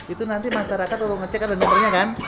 itu nanti masyarakat untuk ngecek ada dokternya kan